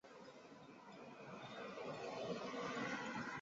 罗马的宗主教和后来的教宗逐渐得到强大的政治权力。